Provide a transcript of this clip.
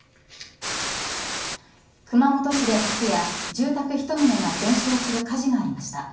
熊本市で昨夜、住宅１棟が全焼する火事がありました。